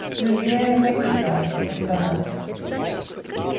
Louvieres recognized him and bowed.